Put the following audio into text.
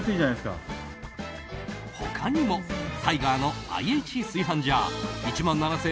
他にもタイガーのＩＨ炊飯ジャー。